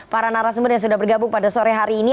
para narasumber yang sudah bergabung pada sore hari ini